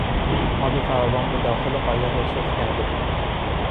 آب فراوان به داخل قایق رسوخ کرده بود.